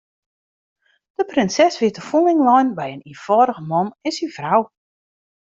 De prinses wie te fûnling lein by in ienfâldige man en syn frou.